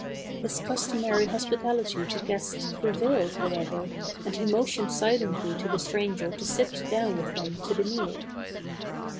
His customary hospitality to guests prevailed, however, and he motioned silently to the stranger to sit down with him to the meal.